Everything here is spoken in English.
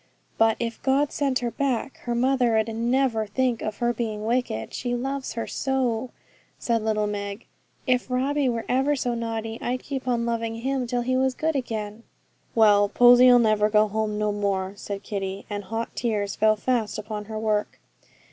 'But if God sent her back, her mother 'ud never think of her being wicked, she loves her so,' said little Meg. 'If Robbie were ever so naughty, I'd keep on loving him till he was good again.' 'Well, Posy'll never go home no more,' said Kitty; and hot tears fell fast upon her work.